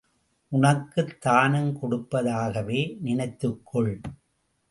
உனக்குத் தானம் கொடுப்பதாகவே நினைத்துக்கொள்.